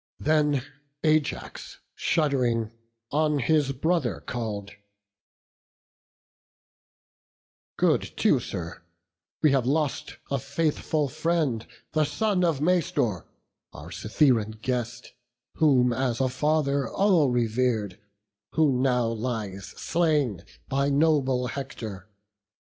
Then Ajax, shudd'ring, on his brother call'd: "Good Teucer, we have lost a faithful friend, The son of Mastor, our Cytheran guest, Whom as a father all rever'd; who now Lies slain by noble Hector.